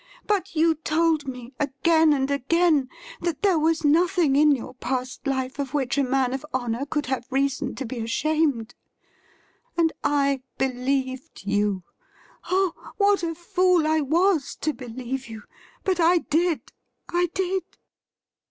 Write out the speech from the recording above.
But you told me, again and again, that there was nothing in your past life 'JETAST THOU POUND ME OUT?' ^15 of which a man of honour could have reason to be ashamed. And I believed you ! Oh, what a fool I was to believe you ! But I did— I did